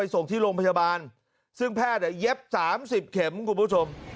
ส่งที่โรงพยาบาลซึ่งแพทย์เย็บ๓๐เข็มคุณผู้ชม